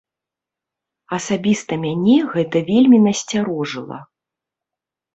Асабіста мяне гэта вельмі насцярожыла.